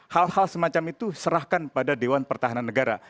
hal hal semacam itu serahkan pada dewan pertahanan negara